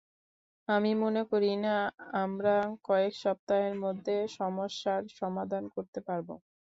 আমি মনে করি না, আমরা কয়েক সপ্তাহের মধ্যে সমস্যার সমাধান করতে পারব।